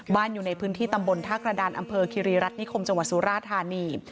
อยู่ในพื้นที่ตำบลท่ากระดานอำเภอคิรีรัฐนิคมจังหวัดสุราธานี